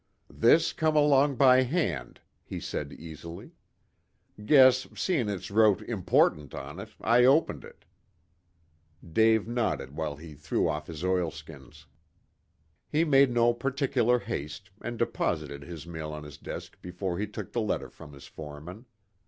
"This come along by hand," he said easily. "Guess, seein' it's wrote 'important' on it, I opened it." Dave nodded while he threw off his oilskins. He made no particular haste, and deposited his mail on his desk before he took the letter from his foreman.